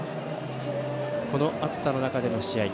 この暑さの中での試合